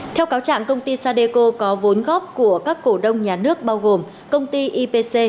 theo cáo trạng công ty sadeco có vốn góp của các cổ đông nhà nước bao gồm công ty ipc